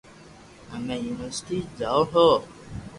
ھمي يونيورسٽي جاو ھون